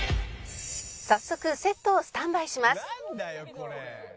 早速セットをスタンバイしますなんだよこれ！